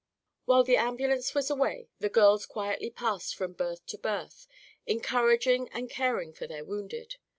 While the ambulance was away the girls quietly passed from berth to berth, encouraging and caring for their wounded.